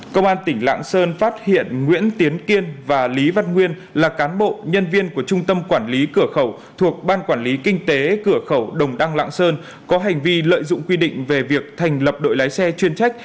công an tỉnh lạng sơn phát hiện nguyễn tiến kiên và lý văn nguyên là cán bộ nhân viên của trung tâm quản lý cửa khẩu thuộc ban quản lý kinh tế cửa khẩu đồng đăng lạng sơn có hành vi lợi dụng quy định về việc thành lập đội lái xe chuyên trách